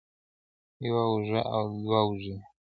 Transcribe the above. يوه اوږه او دوه اوږې